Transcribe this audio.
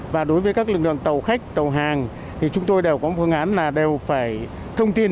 và đối với các lực lượng tàu khách tàu hàng thì chúng tôi đều có một phương án là đều phải thông tin